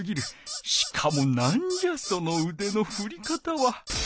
しかも何じゃそのうでのふり方は。